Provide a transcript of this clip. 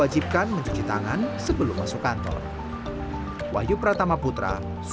wajibkan mencuci tangan sebelum masuk kantor